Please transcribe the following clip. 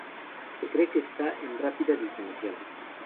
Se cree que está en rápida disminución.